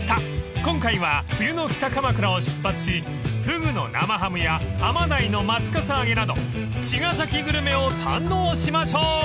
今回は冬の北鎌倉を出発しフグの生ハムやアマダイの松笠揚げなど茅ヶ崎グルメを堪能しましょう！］